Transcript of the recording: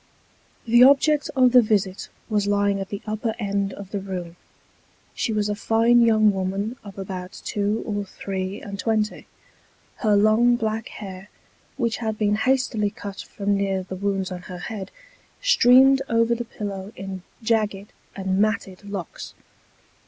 The object of the visit was lying at the upper end of the room. She was a fine young woman of about two or three and twenty. Her long black hair, which had been hastily cut from near the wounds on her head, streamed over the pillow in jagged and matted locks.